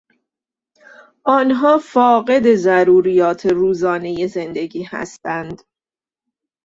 آنها فاقد ضروریات روزانهی زندگی هستند.